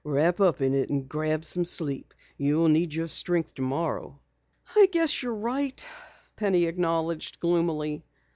Wrap up in it and grab some sleep. You'll need your strength tomorrow." "I guess you're right," Penny acknowledged gloomily.